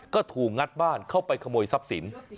ก็ถูกงัดบ้านเข้าไปขโมยทรัพย์สิน